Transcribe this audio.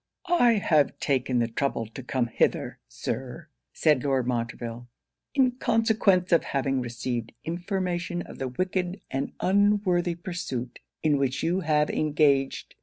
'I have taken the trouble to come hither, Sir,' said Lord Montreville, 'in consequence of having received information of the wicked and unworthy pursuit in which you have engaged.